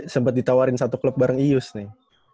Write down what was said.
sempet ditawarin satu klub bareng yus nih